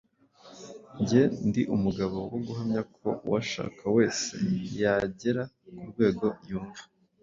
Jye ndi umugabo wo guhamya ko uwashaka wese yagera ku rwego yumva